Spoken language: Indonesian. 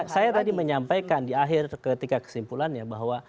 saya tadi menyampaikan di akhir ketika kesimpulannya bahwa